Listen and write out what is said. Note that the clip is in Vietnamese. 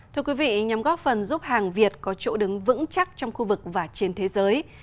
thưa quý vị nhằm góp phần giúp hàng việt có chỗ đứng vững chắc trong khu vực và trên thế giới